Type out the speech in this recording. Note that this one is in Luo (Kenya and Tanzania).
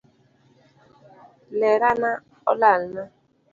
Lerana olalna.